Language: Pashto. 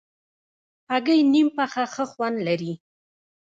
هګۍ نیم پخه ښه خوند لري.